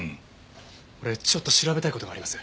俺ちょっと調べたい事があります。